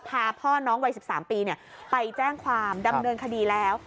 พาพ่อน้องวัย๑๓ปีไปแจ้งความดำเนินคดีแล้ว